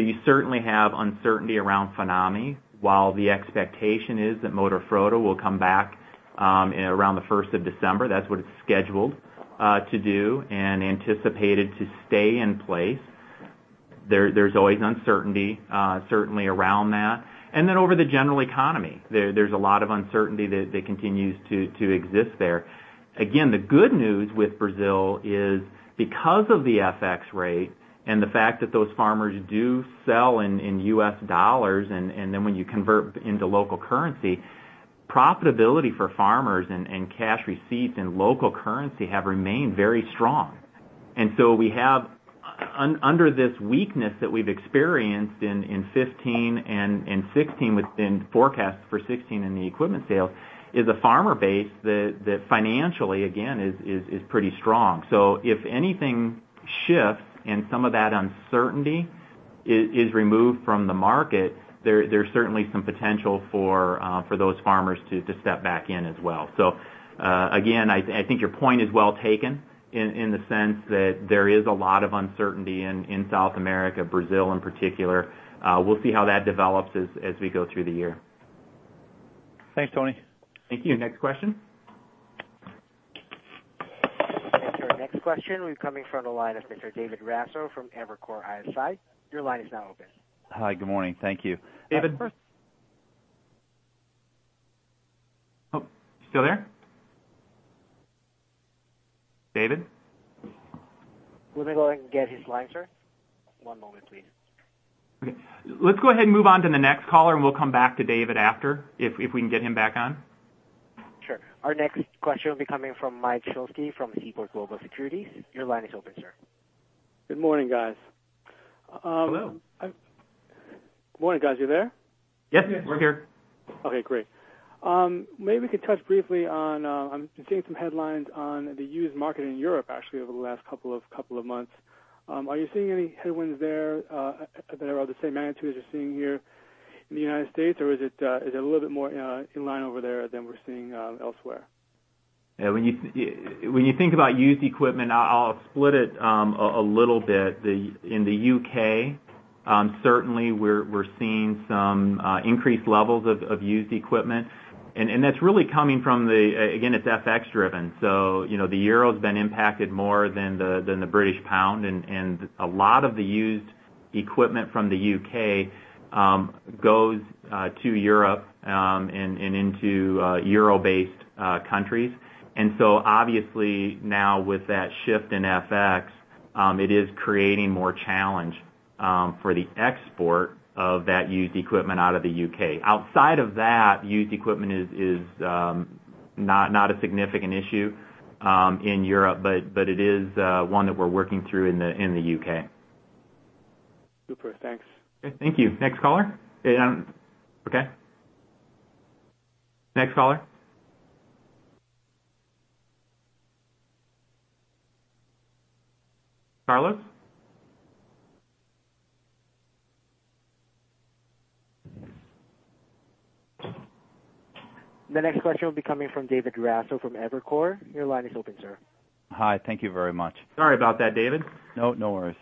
You certainly have uncertainty around FINAME, while the expectation is that Moderfrota will come back around the 1st of December. That's what it's scheduled to do and anticipated to stay in place. There's always uncertainty, certainly around that. Over the general economy, there's a lot of uncertainty that continues to exist there. Again, the good news with Brazil is because of the FX rate and the fact that those farmers do sell in U.S. dollars, and then when you convert into local currency, profitability for farmers and cash receipts in local currency have remained very strong. We have, under this weakness that we've experienced in 2015 and 2016 within forecasts for 2016 in the equipment sales, is a farmer base that financially, again, is pretty strong. If anything shifts and some of that uncertainty is removed from the market, there's certainly some potential for those farmers to step back in as well. Again, I think your point is well taken in the sense that there is a lot of uncertainty in South America, Brazil in particular. We'll see how that develops as we go through the year. Thanks, Tony. Thank you. Next question. For our next question, we're coming from the line of Mr. David Raso from Evercore ISI. Your line is now open. Hi. Good morning. Thank you. David? Oh, still there? David? Let me go ahead and get his line, sir. One moment, please. Okay. Let's go ahead and move on to the next caller, and we'll come back to David after if we can get him back on. Sure. Our next question will be coming from Michael Shlisky from Seaport Global Securities. Your line is open, sir. Good morning, guys. Hello. Good morning, guys. You there? Yes. We're here. Okay, great. Maybe we could touch briefly on, I'm seeing some headlines on the used market in Europe, actually, over the last couple of months. Are you seeing any headwinds there that are of the same magnitude as you're seeing here in the U.S.? Or is it a little bit more in line over there than we're seeing elsewhere? Yeah. When you think about used equipment, I'll split it a little bit. In the U.K., certainly we're seeing some increased levels of used equipment. That's really coming from the, again, it's FX driven. The euro's been impacted more than the British pound, and a lot of the used equipment from the U.K. goes to Europe, and into euro-based countries. Obviously now with that shift in FX, it is creating more challenge for the export of that used equipment out of the U.K. Outside of that, used equipment is not a significant issue in Europe, but it is one that we're working through in the U.K. Super. Thanks. Okay. Thank you. Next caller. Okay, next caller. Carlos? The next question will be coming from David Raso from Evercore. Your line is open, sir. Hi. Thank you very much. Sorry about that, David. No worries.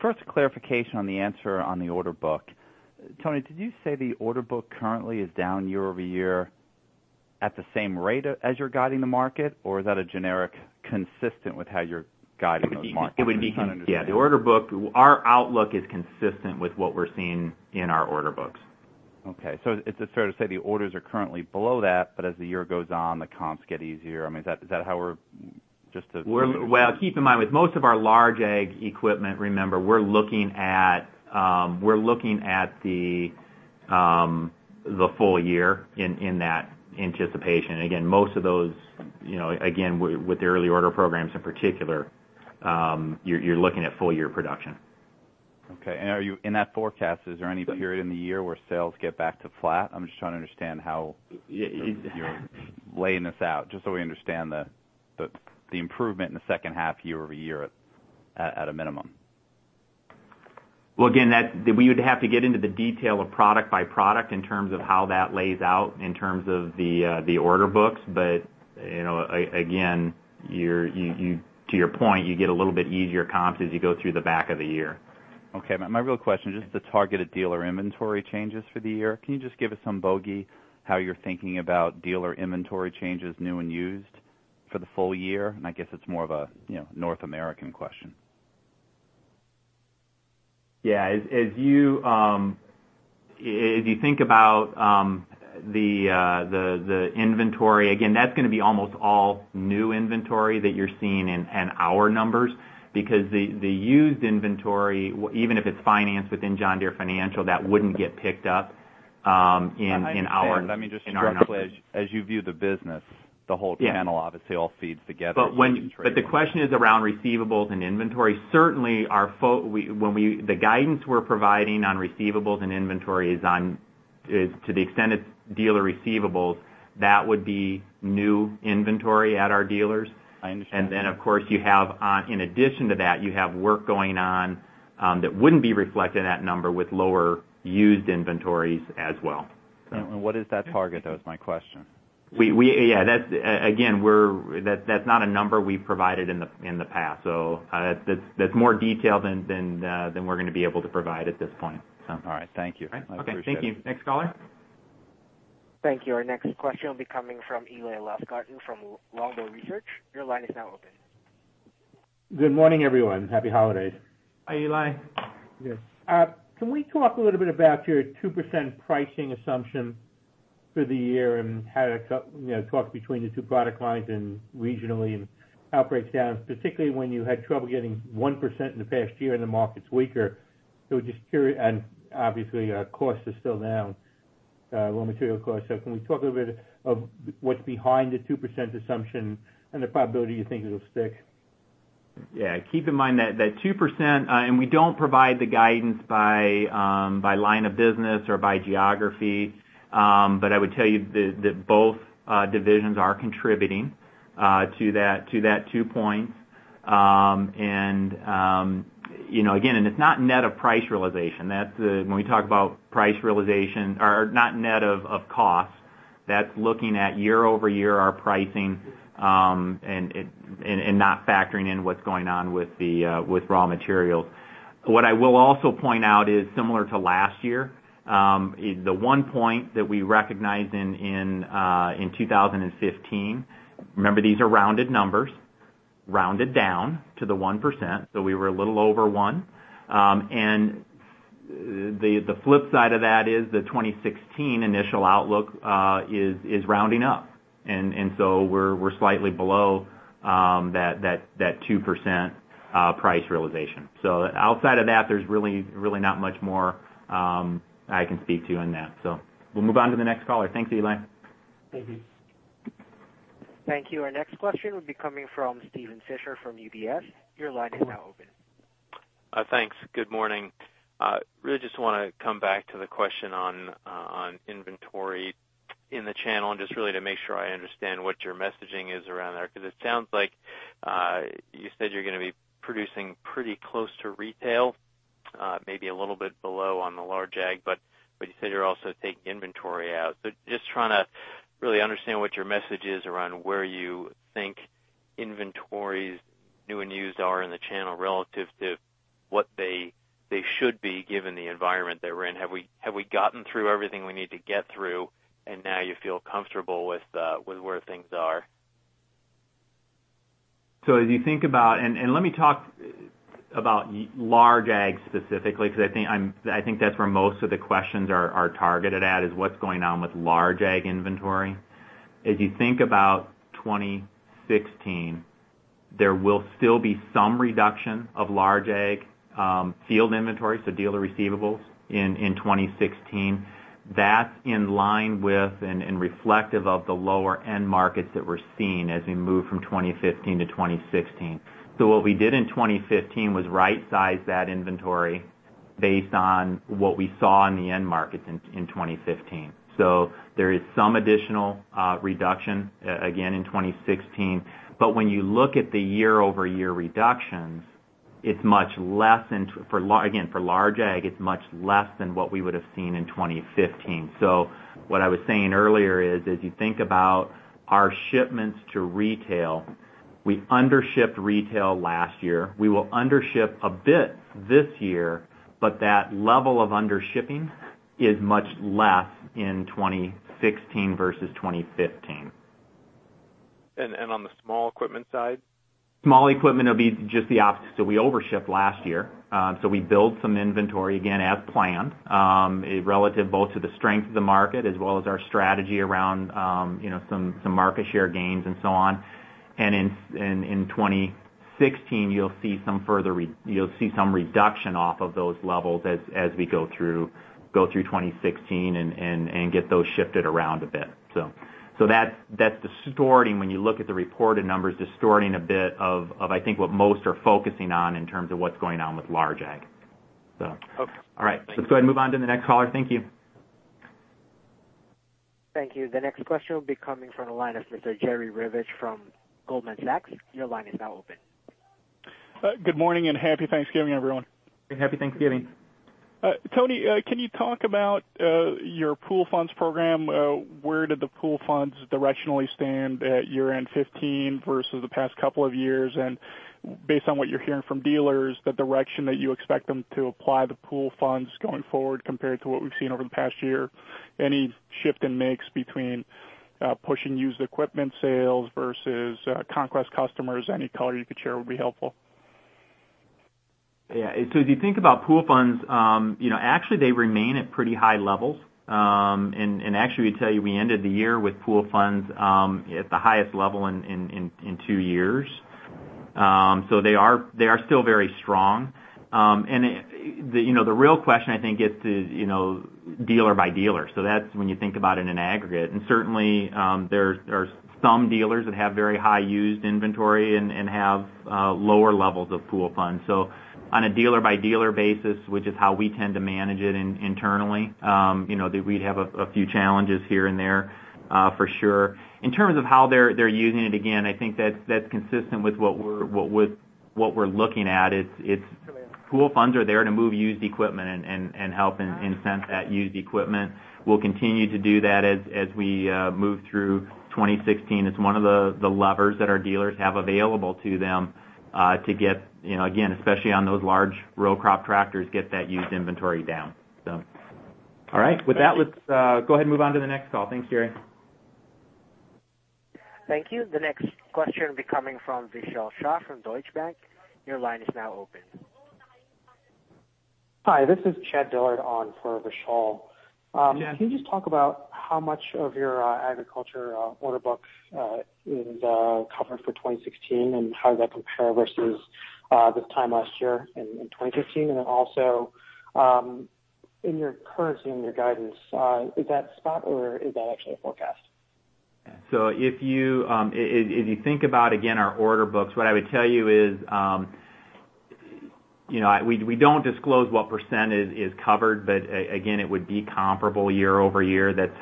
First clarification on the answer on the order book. Tony, did you say the order book currently is down year-over-year at the same rate as you're guiding the market, or is that a generic consistent with how you're guiding those markets? It would be, yeah. The order book, our outlook is consistent with what we're seeing in our order books. Okay. Is it fair to say the orders are currently below that, but as the year goes on, the comps get easier? Well, keep in mind, with most of our large ag equipment, remember, we're looking at the full year in that anticipation. Again, most of those, again, with the early order programs in particular, you're looking at full year production. Okay. In that forecast, is there any period in the year where sales get back to flat? I'm just trying to understand how you're laying this out, just so we understand the improvement in the second half year-over-year at a minimum. Well, again, we would have to get into the detail of product by product in terms of how that lays out in terms of the order books. Again, to your point, you get a little bit easier comps as you go through the back of the year. Okay. My real question, just the targeted dealer inventory changes for the year. Can you just give us some bogey, how you're thinking about dealer inventory changes, new and used, for the full year? I guess it's more of a North American question. Yeah. As you think about the inventory, again, that's gonna be almost all new inventory that you're seeing in our numbers because the used inventory, even if it's financed within John Deere Financial, that wouldn't get picked up I mean, just structurally, as you view the business, the whole channel obviously all feeds together. The question is around receivables and inventory. Certainly, the guidance we're providing on receivables and inventory is to the extent it's dealer receivables, that would be new inventory at our dealers. I understand. Then, of course, in addition to that, you have work going on that wouldn't be reflected in that number with lower used inventories as well. What is that target, though, is my question. Again, that's not a number we've provided in the past, so that's more detail than we're going to be able to provide at this point. All right. Thank you. I appreciate it. Okay. Thank you. Next caller? Thank you. Our next question will be coming from Eli Lustgarten from Longbow Research. Your line is now open. Good morning, everyone. Happy holidays. Hi, Eli. Yes. Can we talk a little bit about your 2% pricing assumption for the year and how to talk between the two product lines and regionally and how it breaks down, particularly when you had trouble getting 1% in the past year and the market's weaker? Obviously, costs are still down, raw material costs. Can we talk a little bit of what's behind the 2% assumption and the probability you think it'll stick? Yeah. Keep in mind that 2%, we don't provide the guidance by line of business or by geography, but I would tell you that both divisions are contributing to that 2 points. It's not net of price realization. When we talk about price realization or not net of cost, that's looking at year-over-year our pricing and not factoring in what's going on with raw materials. What I will also point out is similar to last year, the 1 point that we recognized in 2015, remember these are rounded numbers, rounded down to the 1%, so we were a little over 1. The flip side of that is the 2016 initial outlook is rounding up. We're slightly below that 2% price realization. Outside of that, there's really not much more I can speak to on that. We'll move on to the next caller. Thanks, Eli. Thank you. Thank you. Our next question will be coming from Steven Fisher from UBS. Your line is now open. Thanks. Good morning. Really just want to come back to the question on inventory in the channel and just really to make sure I understand what your messaging is around there. It sounds like you said you're gonna be producing pretty close to retail, maybe a little bit below on the large ag, you said you're also taking inventory out. Just trying to really understand what your message is around where you think inventories new and used are in the channel relative to what they should be given the environment that we're in. Have we gotten through everything we need to get through and now you feel comfortable with where things are? As you think about, let me talk about large ag specifically, I think that's where most of the questions are targeted at, is what's going on with large ag inventory. As you think about 2016, there will still be some reduction of large ag field inventory, dealer receivables in 2016. That's in line with and reflective of the lower end markets that we're seeing as we move from 2015 to 2016. What we did in 2015 was right size that inventory based on what we saw in the end markets in 2015. There is some additional reduction again in 2016. When you look at the year-over-year reductions, again, for large ag, it's much less than what we would've seen in 2015. What I was saying earlier is, as you think about our shipments to retail, we undershipped retail last year. We will undership a bit this year, that level of undershipping is much less in 2016 versus 2015. On the small equipment side? Small equipment will be just the opposite. We overshipped last year. We built some inventory again as planned, relative both to the strength of the market as well as our strategy around some market share gains and so on. In 2016, you'll see some reduction off of those levels as we go through 2016 and get those shifted around a bit. That's distorting when you look at the reported numbers, distorting a bit of I think what most are focusing on in terms of what's going on with large ag. Okay. Thank you. All right. Let's go ahead and move on to the next caller. Thank you. Thank you. The next question will be coming from the line of Mr. Jerry Revich from Goldman Sachs. Your line is now open. Good morning, Happy Thanksgiving, everyone. Happy Thanksgiving. Tony, can you talk about your Pool Funds program? Where did the Pool Funds directionally stand at year-end 2015 versus the past couple of years? Based on what you're hearing from dealers, the direction that you expect them to apply the Pool Funds going forward compared to what we've seen over the past year, any shift in mix between pushing used equipment sales versus conquest customers? Any color you could share would be helpful. As you think about pool funds, actually they remain at pretty high levels. Actually, we'd tell you, we ended the year with pool funds at the highest level in two years. They are still very strong. The real question, I think, is dealer by dealer. That's when you think about it in an aggregate. Certainly, there are some dealers that have very high used inventory and have lower levels of pool funds. On a dealer-by-dealer basis, which is how we tend to manage it internally, we'd have a few challenges here and there for sure. In terms of how they're using it, again, I think that's consistent with what we're looking at. Pool funds are there to move used equipment and help incent that used equipment. We'll continue to do that as we move through 2016. It's one of the levers that our dealers have available to them to get, again, especially on those large row crop tractors, get that used inventory down. All right. With that, let's go ahead and move on to the next call. Thanks, Jerry. Thank you. The next question will be coming from Vishal Shah from Deutsche Bank. Your line is now open. Hi, this is Chad Dillard on for Vishal. Yeah. Can you just talk about how much of your agriculture order book is covered for 2016, and how does that compare versus this time last year in 2015? Also, in your currency and your guidance, is that spot or is that actually a forecast? If you think about, again, our order books, what I would tell you is we don't disclose what % is covered, again, it would be comparable year-over-year. That's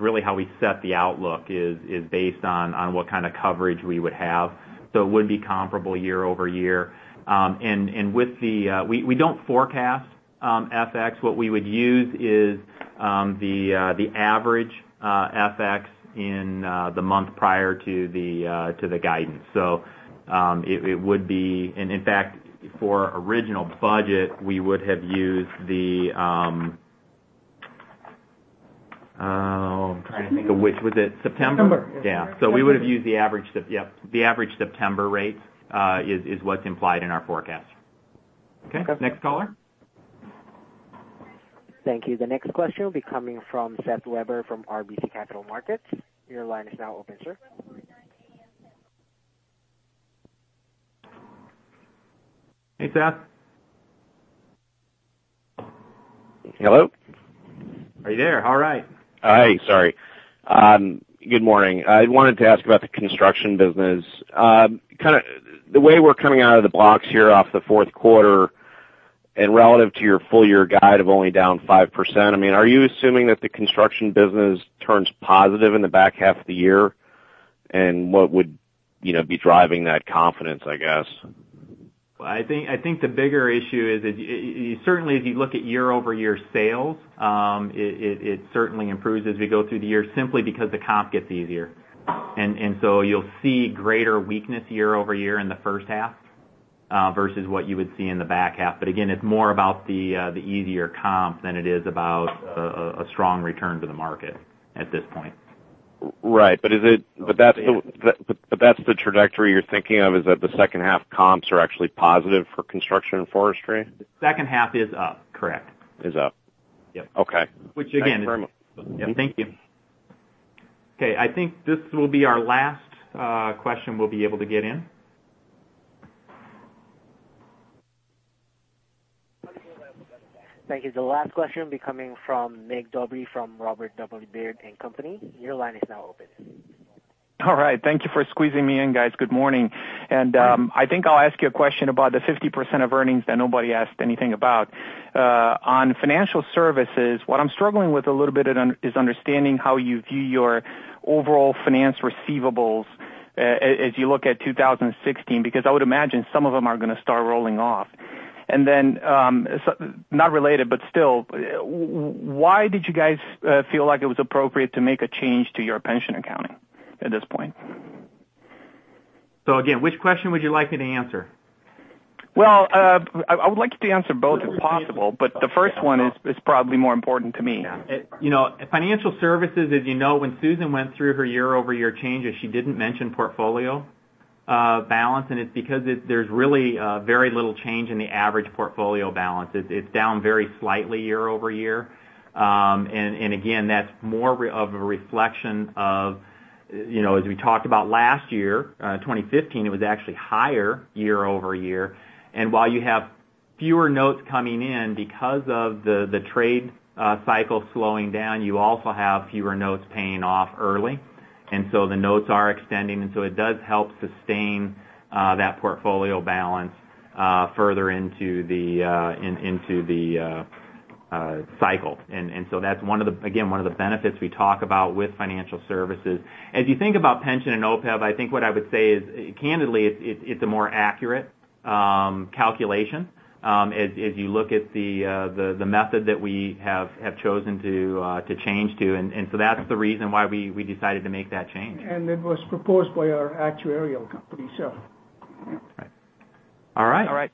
really how we set the outlook, is based on what kind of coverage we would have. It would be comparable year-over-year. We don't forecast FX. What we would use is the average FX in the month prior to the guidance. In fact, for original budget, we would have used. I'm trying to think of which. Was it September? September. Yeah. We would've used the average September rate, is what's implied in our forecast. Okay. Okay. Next caller. Thank you. The next question will be coming from Seth Weber from RBC Capital Markets. Your line is now open, sir. Hey, Seth. Hello? Are you there? All right. Hi. Sorry. Good morning. I wanted to ask about the construction business. The way we're coming out of the blocks here off the fourth quarter and relative to your full year guide of only down 5%, are you assuming that the construction business turns positive in the back half of the year? What would be driving that confidence, I guess? I think the bigger issue is certainly if you look at year-over-year sales, it certainly improves as we go through the year, simply because the comp gets easier. You'll see greater weakness year-over-year in the first half versus what you would see in the back half. It's more about the easier comp than it is about a strong return to the market at this point. Right. That's the trajectory you're thinking of, is that the second half comps are actually positive for construction and forestry? The second half is up, correct. Is up. Yep. Okay. Thanks very much. Which again. Yeah. Thank you. Okay. I think this will be our last question we'll be able to get in. Thank you. The last question will be coming from Nick Dobre from Robert W. Baird & Co.. Your line is now open. All right. Thank you for squeezing me in, guys. Good morning. Morning. I think I'll ask you a question about the 50% of earnings that nobody asked anything about. On Financial Services, what I'm struggling with a little bit is understanding how you view your overall finance receivables as you look at 2016 because I would imagine some of them are going to start rolling off. Then, not related, but still, why did you guys feel like it was appropriate to make a change to your pension accounting at this point? Again, which question would you like me to answer? I would like you to answer both if possible, but the first one is probably more important to me. Financial Services, as you know, when Susan went through her year-over-year changes, she didn't mention portfolio balance, and it's because there's really very little change in the average portfolio balance. It's down very slightly year-over-year. Again, that's more of a reflection of as we talked about last year, 2015, it was actually higher year-over-year. While you have fewer notes coming in because of the trade cycle slowing down, you also have fewer notes paying off early. The notes are extending, so it does help sustain that portfolio balance further into the cycle. That's, again, one of the benefits we talk about with Financial Services. As you think about pension and OPEB, I think what I would say is, candidly, it's a more accurate calculation as you look at the method that we have chosen to change to. That's the reason why we decided to make that change. It was proposed by our actuarial company, so yeah. All right. All right.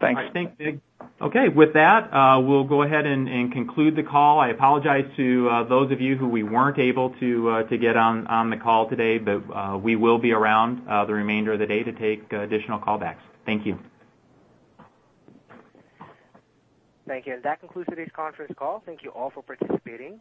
Thanks. I think, Nick. Okay, with that, we'll go ahead and conclude the call. I apologize to those of you who we weren't able to get on the call today. We will be around the remainder of the day to take additional callbacks. Thank you. Thank you. That concludes today's conference call. Thank you all for participating.